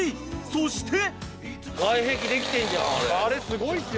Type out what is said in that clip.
［そして］